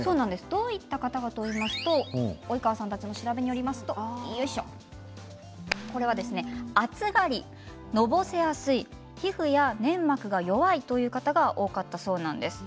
どういった方かといいますと及川さんの調べによりますと暑がり、のぼせやすい皮膚や粘膜が弱いという方が多かったそうなんです。